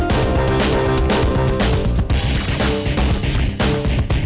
coba sekarang latihan mukul